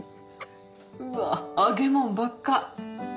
うわっ揚げもんばっか。